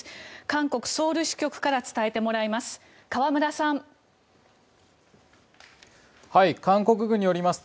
韓国ソウル支局から伝えてもらいます。